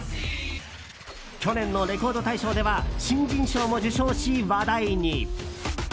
去年のレコード大賞では新人賞も受賞し、話題に。